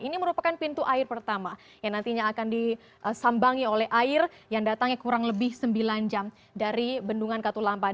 ini merupakan pintu air pertama yang nantinya akan disambangi oleh air yang datangnya kurang lebih sembilan jam dari bendungan katulampa